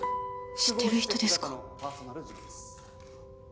知ってる人ですか？